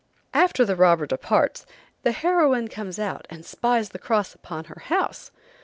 After the robber departs, the heroine comes out, and spies the cross upon her house.